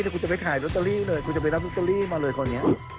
ที่กูจะไปขายโรเตอรี่มาเลยทำแบบนี้